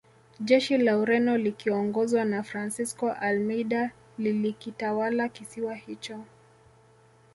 Jeshi la Ureno likiongozwa na Francisco Almeida lilikitawala kisiwa hicho